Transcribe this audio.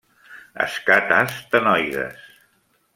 Escates ctenoides.